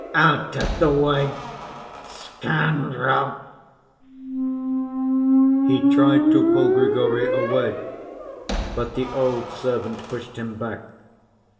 Out of the way, scoundrel!" He tried to pull Grigory away, but the old servant pushed him back.